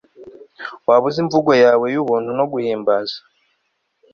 waba uzi imvugo yawe yubuntu no guhimbaza